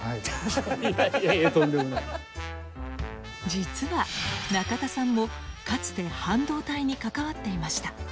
実は中田さんもかつて半導体に関わっていました。